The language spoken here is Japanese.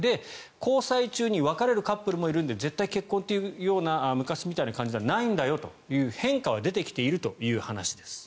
交際中に別れるカップルもいるので絶対に結婚というような昔みたいな感じではないんだよという変化は出てきているという話です。